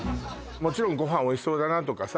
もちろんご飯おいしそうだなとかさ